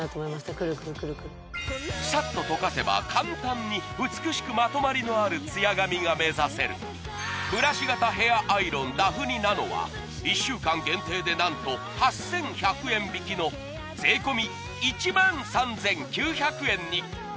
くるくるくるくるサッととかせば簡単に美しくまとまりのあるツヤ髪が目指せるブラシ型ヘアアイロンダフニｎａｎｏは１週間限定で何と８１００円引きの税込１３９００円に！